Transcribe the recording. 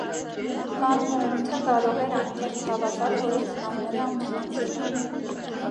Մանմոունթը կարող էր անկեղծ հավատալ, որ իր ծնողները ամուսնացել են։